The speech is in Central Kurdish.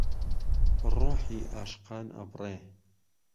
ڕۆحی عاشقان ئەبڕێ